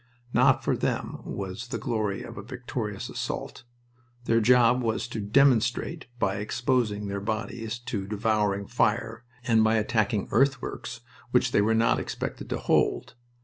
Not for them was the glory of a victorious assault. Their job was to "demonstrate" by exposing their bodies to devouring fire, and by attacking earthworks which they were not expected to hold.